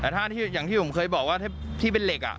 แต่อย่างที่ผมเคยบอกว่าที่เป็นเหล็ก